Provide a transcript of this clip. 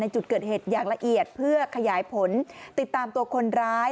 จุดเกิดเหตุอย่างละเอียดเพื่อขยายผลติดตามตัวคนร้าย